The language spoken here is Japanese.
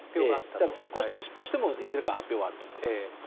ただ成功しても失敗しても、いずれかの発表はあると思います。